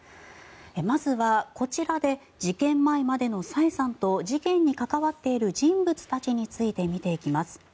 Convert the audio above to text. まずはこちらで事件前までのサイさんと事件に関わっている人物たちについてみていきます。